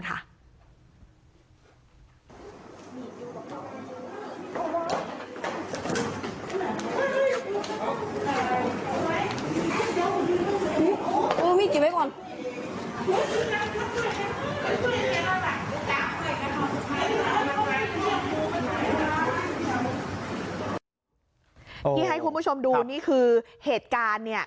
ที่ให้คุณผู้ชมดูนี่คือเหตุการณ์เนี่ย